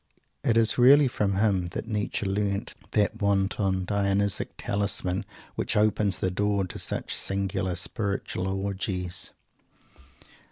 It is really from him that Nietzsche learnt that wanton Dionysic talisman which opens the door to such singular spiritual orgies.